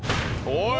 おい！